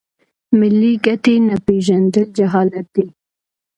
ملي ګټې نه پیژندل جهالت دی.